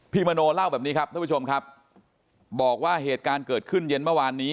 มโนเล่าแบบนี้ครับท่านผู้ชมครับบอกว่าเหตุการณ์เกิดขึ้นเย็นเมื่อวานนี้